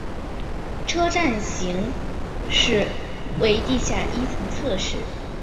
车站型式为地下一层侧式。